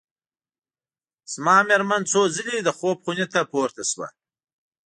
زما مېرمن څو ځلي د خوب خونې ته پورته شوه.